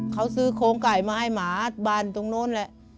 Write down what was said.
เขาซื้อโครงไก่มาให้หมาบ้านตรงนู้นแหละ